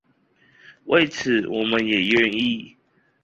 為此我們也願意